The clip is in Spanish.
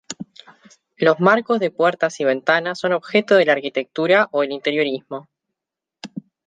Los marcos de puertas y ventanas son objeto de la arquitectura o el interiorismo.